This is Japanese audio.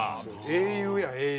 英雄や英雄。